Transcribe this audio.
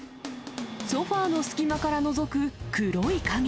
ソファーの隙間からのぞく黒い影。